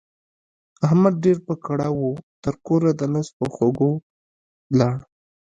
احمد ډېر په کړاو وو؛ تر کوره د نس په خوږو ولاړ.